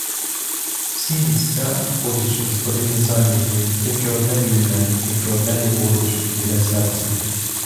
Всі місця побіч господині зайняті, тільки одне вільне, тільки одне ліворуч, біля серця.